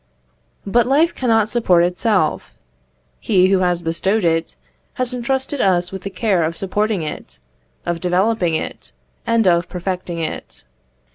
But life cannot support itself. He who has bestowed it, has entrusted us with the care of supporting it, of developing it, and of perfecting it.